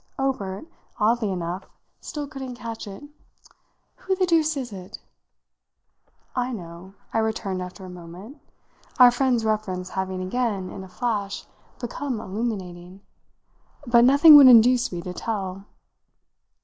Obert, oddly enough, still couldn't catch it. "Who the deuce is it?" "I know," I returned after a moment our friend's reference having again, in a flash, become illuminating. "But nothing would induce me to tell."